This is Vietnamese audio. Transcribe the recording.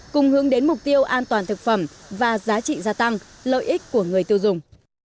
cùng hướng đến mục tiêu an toàn thực phẩm và giá trị gia tăng lợi ích của người tiêu dùng